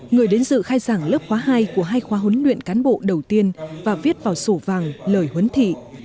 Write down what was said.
người đến dự khai giảng lớp khóa hai của hai khóa huấn luyện cán bộ đầu tiên và viết vào sổ vàng lời huấn thị